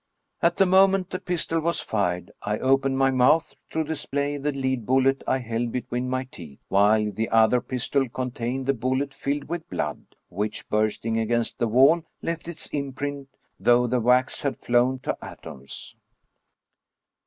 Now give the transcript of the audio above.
At the moment the pistol was fired, I opened my mouth to display the lead bullet I held between my teeth, while the other pistol contained the bullet filled with blood, which bursting against the wall, left its imprint, though the wax had Sown to atoms.